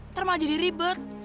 ntar malah jadi ribet